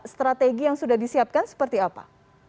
strategi yang sudah disiapkan seperti apa